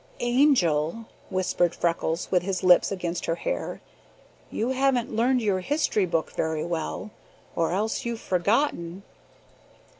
"Angel," whispered Freckles, with his lips against her hair, "you haven't learned your history book very well, or else you've forgotten."